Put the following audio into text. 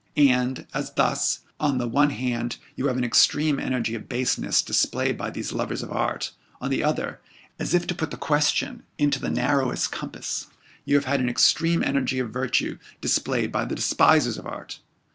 And, as thus, on the one hand, you have an extreme energy of baseness displayed by these lovers of art; on the other, as if to put the question into the narrowest compass you have had an extreme energy of virtue displayed by the despisers of art.